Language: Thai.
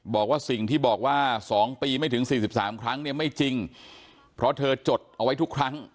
บอกว่าสิ่งที่บอกว่า๒ปีไม่ถึง๔๓ครั้งเนี่ยไม่จริงเพราะเธอจดเอาไว้ทุกครั้ง